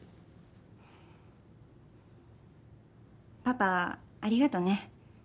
パパありがとね。